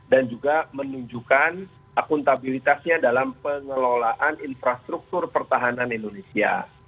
dan juga menunjukkan akuntabilitasnya dalam pengelolaan infrastruktur pertahanan indonesia